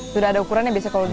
sudah ada ukurannya biasa kalau di